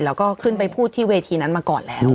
แล้วก็ขึ้นไปพูดที่เวทีนั้นมาก่อนแล้ว